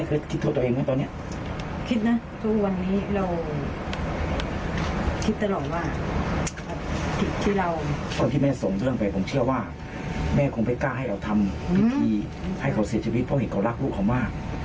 คิดตลอดว่าที่เรา